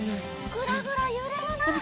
ぐらぐらゆれるな！